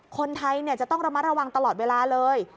คนไทยจะต้องระมัดระวังตลอดเวลาเลย